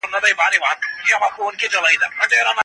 تعلیم کورني شخړې کموي.